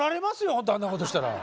ほんとあんなことしたら。